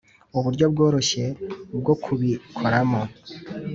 uburyo bworoshye bwo kubikoramo